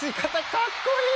かっこいい！